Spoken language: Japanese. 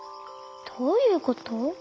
どういうこと？